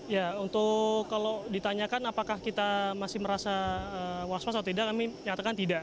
ya untuk kalau ditanyakan apakah kita masih merasa was was atau tidak kami nyatakan tidak